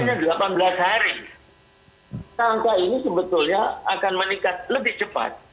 angka ini sebetulnya akan meningkat lebih cepat